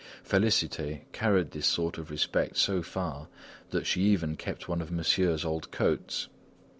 Félicité carried this sort of respect so far that she even kept one of Monsieur's old coats.